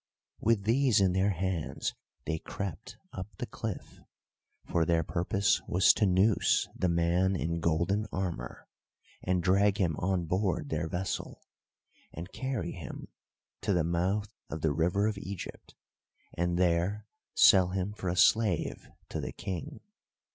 With these in their hands they crept up the cliff, for their purpose was to noose the man in golden armour, and drag him on board their vessel, and carry him to the mouth of the river of Egypt, and there sell him for a slave to the King.